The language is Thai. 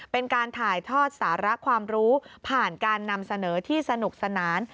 เป็นการถ่ายทอดสาระความรู้ผ่านการนำเสนอที่สนุกสนาน